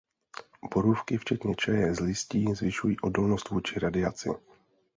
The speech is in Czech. Borůvky včetně čaje z listí zvyšují odolnost vůči radiaci.